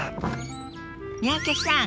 三宅さん